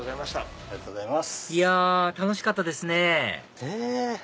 いや楽しかったですねねっ！